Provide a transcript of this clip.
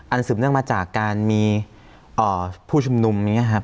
อันสึมเนื่องมาจากการมีเอ่อผู้ชุมนุมอย่างเงี้ยครับ